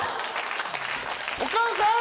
お母さん。